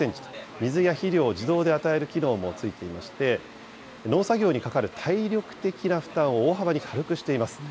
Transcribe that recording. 水や肥料を自動で与える機能もついていまして、農作業にかかる体力的な負担を大幅に軽くしています。